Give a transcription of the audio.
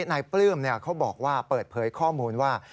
ปลื้มเขาบอกว่าเปิดเผยข้อมูลว่า